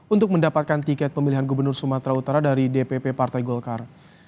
untuk mendapatkan tiket pemilihan gubernur sumatera utara dari dpp partai golkar